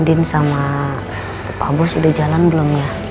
din sama bapak bos udah jalan belum ya